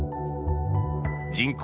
人口